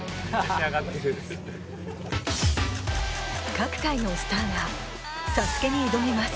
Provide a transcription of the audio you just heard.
各界のスターがＳＡＳＵＫＥに挑みます